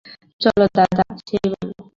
তাই চলো দাদা, সেই ভালো।